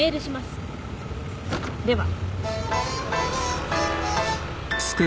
では。